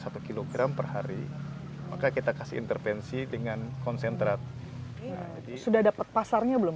satu kilogram per hari maka kita kasih intervensi dengan konsentrat jadi sudah dapat pasarnya belum